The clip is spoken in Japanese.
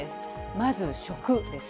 まず食です。